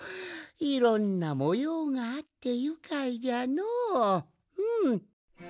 いろんなもようがあってゆかいじゃのううん。